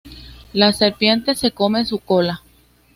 La serpiente se come su cola.